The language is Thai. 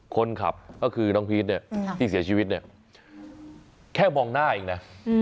คนขับก็คือน้องพีชเนี่ยที่เสียชีวิตเนี่ยแค่มองหน้าเองนะ